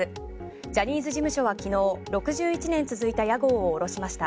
ジャニーズ事務所は昨日６１年続いた屋号を下しました。